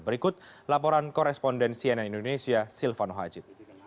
berikut laporan koresponden cnn indonesia silvano haji